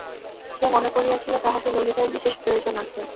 সে মনে করিয়াছিল তাহাকে ললিতার বিশেষ প্রয়োজন আছে।